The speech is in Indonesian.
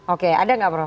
oke ada nggak prof